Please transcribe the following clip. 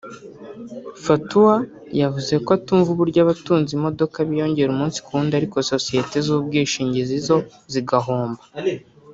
Fatou yavuze ko atumva uburyo abatunze imodoka biyongera umunsi ku wundi ariko sosiyete z’ubwishingizi zo zigahomba